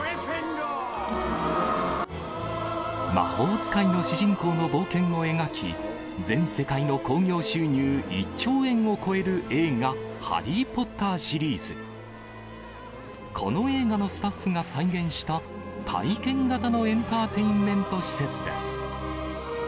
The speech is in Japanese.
魔法使いの主人公の冒険を描き、全世界の興行収入１兆円を超える映画、ハリー・ポッターシリーズ。この映画のスタッフが再現した、体験型のエンターテインメント施設です。